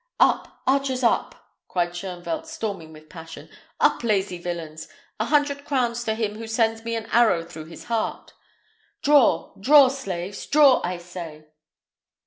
"Up! archers, up!" cried Shoenvelt, storming with passion; "up, lazy villains! A hundred crowns to him who sends me an arrow through his heart. Draw! draw, slaves! Draw, I say!"